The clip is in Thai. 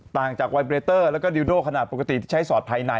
ต่างจากวัยเบรเตอร์แล้วก็ดิวโดขนาดปกติที่ใช้สอดภายใน